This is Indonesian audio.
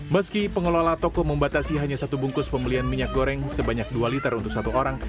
meski pengelola toko membatasi hanya satu bungkus pembelian minyak goreng sebanyak dua liter untuk satu orang